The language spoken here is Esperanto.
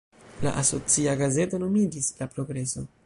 La asocia gazeto nomiĝis "La Progreso".